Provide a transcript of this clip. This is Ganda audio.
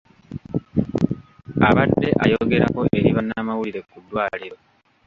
Abadde ayogerako eri bannamawulire ku ddwaliro.